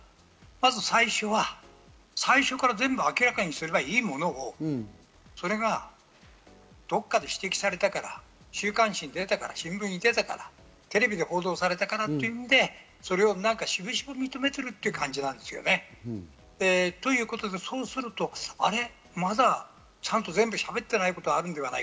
まず最初は最初から全部明らかにすればいいものを、それがどこかで指摘されたから、週刊誌に出たから、新聞に出たから、テレビで報道されたからと言うんで、それをなんか、渋々認めてるという感じがあるんですよね。ということで、そうすると、あれ？